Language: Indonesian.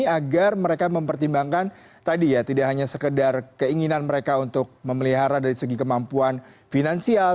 agar mereka mempertimbangkan tadi ya tidak hanya sekedar keinginan mereka untuk memelihara dari segi kemampuan finansial